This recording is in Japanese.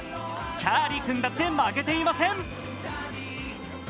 チャーリー君だって負けていません。